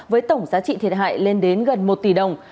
với tổng giá trị thiệt hại lên đến gần một tỷ đồng